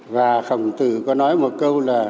và khổng tử có nói một câu là